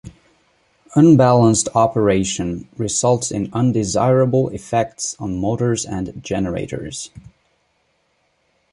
Unbalanced operation results in undesirable effects on motors and generators.